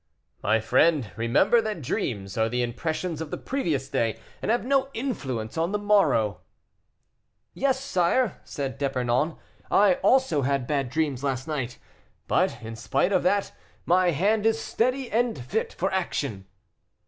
"My friend, remember that dreams are the impressions of the previous day, and have no influence on the morrow." "Yes, sire," said D'Epernon, "I also had bad dreams last night; but, in spite of that, my hand is steady and fit for action."